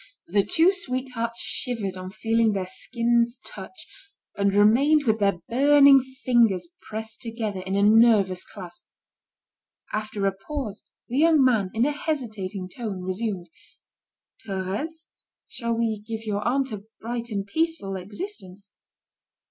The two sweethearts shivered on feeling their skins touch, and remained with their burning fingers pressed together, in a nervous clasp. After a pause, the young man, in a hesitating tone, resumed: "Thérèse, shall we give your aunt a bright and peaceful existence?"